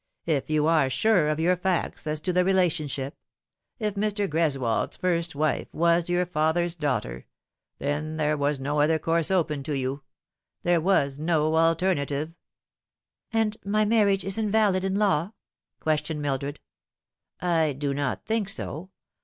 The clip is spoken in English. If you are sure of your facts as to the relationship if Mr. Gres wold's first wife was your father's daughter there was no other course open to you. There was no alternative." "And my marriage is invalid in law ?" questioned Mildred. " I do not think so.